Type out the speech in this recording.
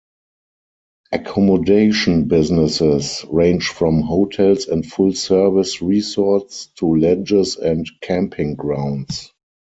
Accommodation businesses range from hotels and full service resorts to ledges and camping grounds.